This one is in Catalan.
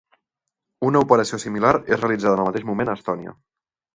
Una operació similar és realitzada en el mateix moment a Estònia.